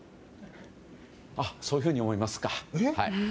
そういうふうに思いますか。